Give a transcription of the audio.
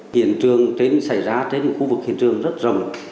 hiện trường xảy ra trên khu vực hiện trường rất rộng